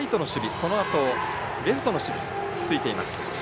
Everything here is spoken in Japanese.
そのあとレフトの守備についています。